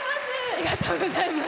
ありがとうございます。